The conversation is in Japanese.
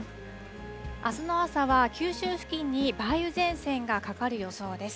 あすの朝は九州付近に梅雨前線がかかる予想です。